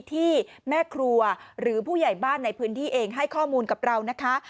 ที่แม่ครัวหรือผู้ใหญ่บ้านในพื้นที่เองให้ข้อมูลกับเรานะคะ